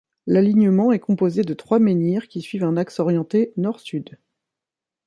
L'alignement est composé de trois menhirs qui suivent un axe orienté nord-sud.